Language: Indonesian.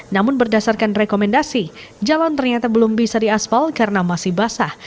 namun berdasarkan rekomendasi jalan ternyata belum bisa diaspal karena masih basah